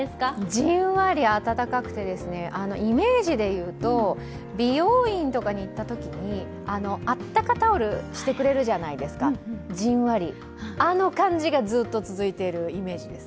じんわりあたたかくて、イメージでいうと、美容院とかに行ったときにあったかタオルしてくれるじゃないですかじんわり、あの感じがずっと続いている感じです。